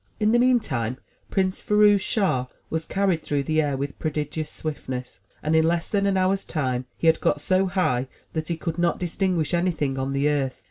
In the meantime. Prince Firouz Schah was carried through the air with prodigious swiftness, and in less than an hour's time he had got so high that he could not distinguish anything on the earth.